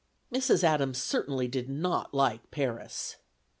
Mrs. Adams certainly did not like Paris.